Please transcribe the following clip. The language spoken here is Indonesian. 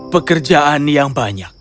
pekerjaan yang banyak